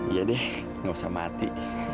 ya deh gak usah mati